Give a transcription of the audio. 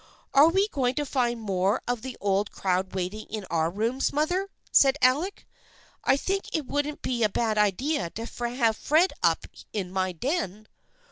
"Are we going to find some more of the old crowd waiting in our rooms, mother ?" said Alec. " I think it wouldn't be a bad idea to have Fred up in my den."